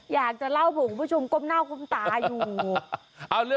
อยากจะเล่าโบใชงว่าปุ่มหน้ากมตายุ่